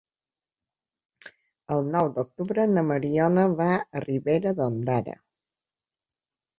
El nou d'octubre na Mariona va a Ribera d'Ondara.